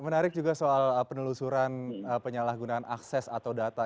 menarik juga soal penelusuran penyalahgunaan akses atau data